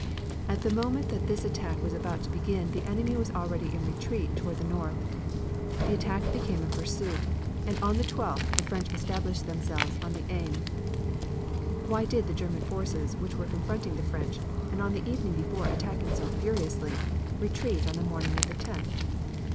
At the moment that this attack was about to begin the enemy was already in retreat toward the north. The attack became a pursuit, and on the 12th the French established themselves on the Aisne. Why did the German forces which were confronting the French, and on the evening before attacking so furiously, retreat on the morning of the 10th?